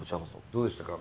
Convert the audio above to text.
どうでしたか？